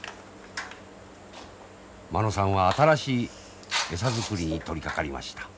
間野さんは新しい餌作りに取りかかりました。